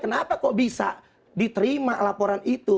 kenapa kok bisa diterima laporan itu